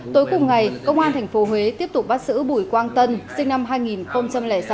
tối cùng ngày công an tp huế tiếp tục bắt giữ bùi quang tân sinh năm hai nghìn sáu